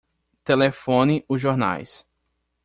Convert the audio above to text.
Telefone os jornais.